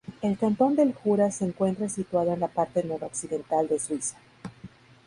El cantón del Jura se encuentra situado en la parte noroccidental de Suiza.